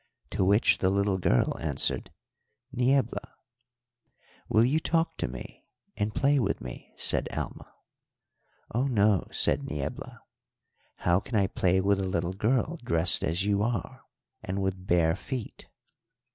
to which the little girl answered: "'Niebla.' "'Will you talk to me and play with me?' said Alma. "'Oh, no,' said Niebla, 'how can I play with a little girl dressed as you are and with bare feet?'